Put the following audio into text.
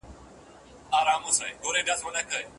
استاد د شاګردانو ژبنۍ تېروتني نه سموي.